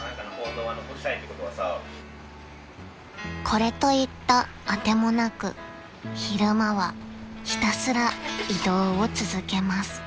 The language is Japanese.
［これといった当てもなく昼間はひたすら移動を続けます］